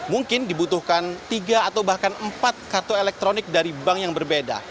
mungkin dibutuhkan tiga atau bahkan empat kartu elektronik dari bank yang berbeda